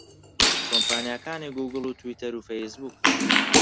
کۆمپانیاکانی گووگڵ و تویتەر و فەیسبووک